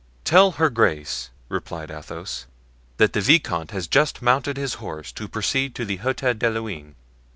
"Tell her grace," replied Athos, "that the viscount has just mounted his horse to proceed to the Hotel de Luynes."